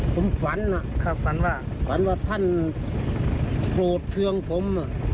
ผมฝันฝันว่าท่านโปรดเครื่องผม